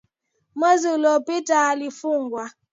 mwezi uliopita alifungwa.